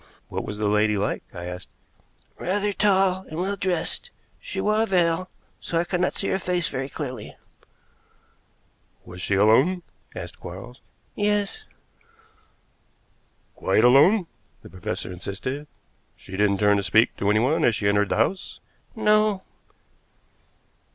"What was the lady like?" I asked. "Rather tall and well dressed. She wore a veil, so I could not see her face very clearly." "Was she alone?" asked Quarles. "Yes." "Quite alone?" the professor insisted. "She didn't turn to speak to anyone as she entered the house?" "No."